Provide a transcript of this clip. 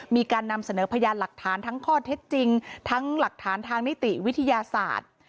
มีการนำเสนอพยานหลักฐานทั้งข้อเท็จจริงทั้งหลักฐานทางนิติวิทยาศาสตร์